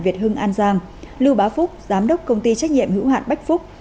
việt hưng an giang lưu bá phúc giám đốc công ty trách nhiệm hữu hạn bách phúc